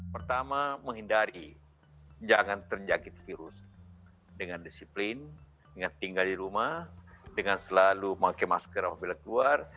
pertama menghindari jangan terjangkit virus dengan disiplin dengan tinggal di rumah dengan selalu pakai masker apabila keluar